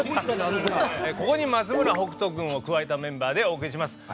ここに松村北斗君を加えたメンバーでお送りします。